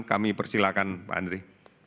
kami persilakan pak andri